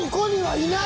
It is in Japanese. いない。